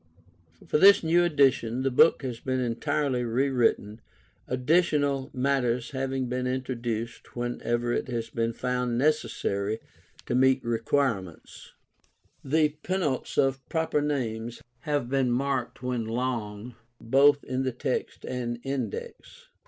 For this new edition the book has been entirely rewritten, additional matter having been introduced whenever it has been found necessary to meet recent requirements. The penults of proper names have been marked when long, both in the text and Index.